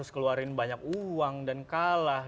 keluarin banyak uang dan kalah